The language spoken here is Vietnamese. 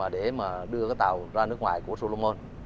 để mà đưa cái tàu ra nước ngoài của solomon